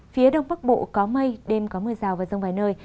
phía đông bắc bộ có mây đêm có mưa rào và rông vài nơi